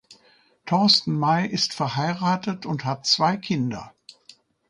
Torsten May ist verheiratet und hat zwei Kinder.